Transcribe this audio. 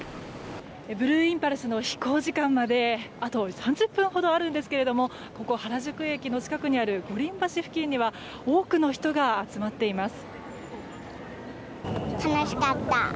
ブルーインパルスの飛行時間まであと３０分ほどあるんですけれどもここ原宿駅の近くにある五輪橋付近には多くの人が集まっています。